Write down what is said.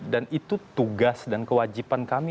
itu tugas dan kewajiban kami